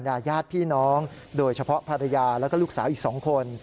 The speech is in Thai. ญาติพี่น้องโดยเฉพาะภรรยาแล้วก็ลูกสาวอีก๒คน